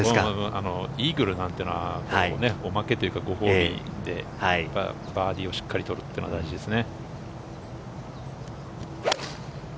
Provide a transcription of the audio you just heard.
イーグルなんていうのはおまけというか、ご褒美でバーディーをしっかり取るというのが大事ですね。